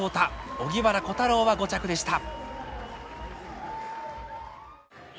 荻原虎太郎は５着でした。